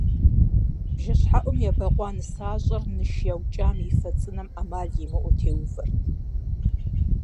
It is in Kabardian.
БжэщхьэӀум ебэкъуа нысащӀэр ныш яукӀам и фэ цӀынэм Ӏэмал имыӀэу теувэрт.